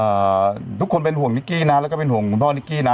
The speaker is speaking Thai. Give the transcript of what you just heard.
ทุกคนเป็นห่วงนิกกี้นะแล้วก็เป็นห่วงคุณพ่อนิกกี้นะ